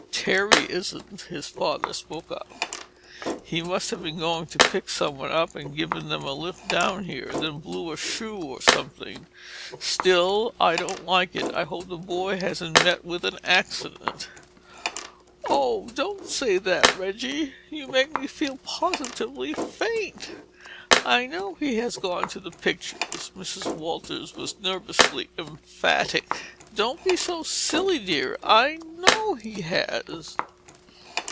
"Terry isn't." His father spoke up. "He must have been going to pick someone up and give them a lift down here—then blew a shoe or something. Still, I don't like it. I hope the boy hasn't met with an accident." "Oh, don't say that, Reggie! You make me feel positively faint. I know he has gone to the pictures." Mrs. Walters was nervously emphatic. "Don't be so silly, dear—I know he has."